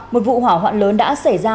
một vụ hỏa hoạn lớn đã xảy ra